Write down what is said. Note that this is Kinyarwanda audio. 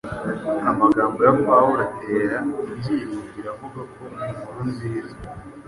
Amagambo ya Pawulo atera ibyiringiro avuga ko “inkuru nziza”